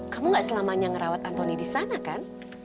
kamu gak selamanya ngerawat antoni di sana kan